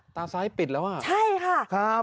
ตาซ้ายปิดแล้วอะใช่ค่ะ